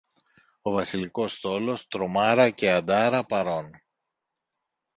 Ο Βασιλικός στόλος, «Τρομάρα» και «Αντάρα», παρών!